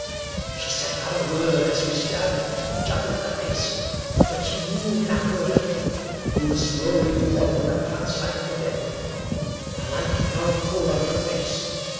She said not a word as we stared each other in the face ; but she moved after a little — moved slowly toward the left hand side of the bed. The light fell full on her face.